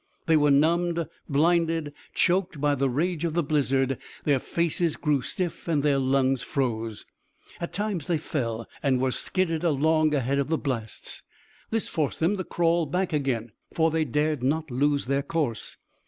They were numbed, blinded, choked by the rage of the blizzard; their faces grew stiff, and their lungs froze. At times they fell, and were skidded along ahead of the blasts. This forced them to crawl back again, for they dared not lose their course.